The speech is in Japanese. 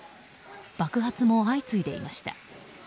爆発も相次いでいました。